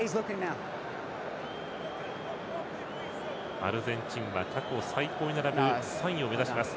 アルゼンチンは過去最高に並ぶ３位を目指します。